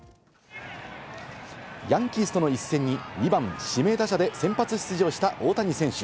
ヤンキースとの一戦に２番・指名打者で先発出場した大谷選手。